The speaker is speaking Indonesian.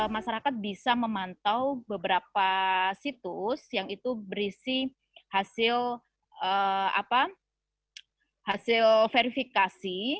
masyarakat bisa memantau beberapa situs yang itu berisi hasil verifikasi